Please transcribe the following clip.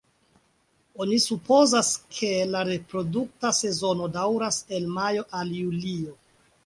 Oni supozas, ke la reprodukta sezono daŭras el majo al julio.